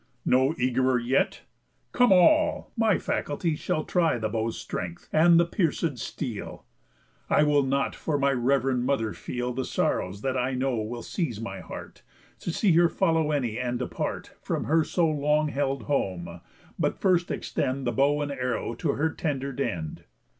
No eag'rer yet? Come all. My faculties Shall try the bow's strength, and the piercéd steel. I will not for my rev'rend mother feel The sorrows that I know will seize my heart, To see her follow any, and depart From her so long held home; but first extend The bow and arrow to their tender'd end.